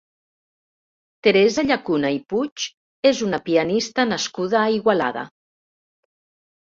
Teresa Llacuna i Puig és una pianista nascuda a Igualada.